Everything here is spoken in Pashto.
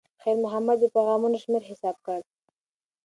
خیر محمد د پیغامونو شمېر حساب کړ.